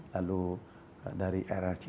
lalu dari rrc